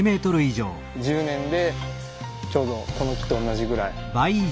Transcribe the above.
１０年でちょうどこの木と同じぐらい。